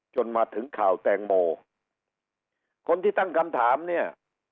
จนมาถึงข่าวแตงโมคนที่ตั้งคำถามเนี่ย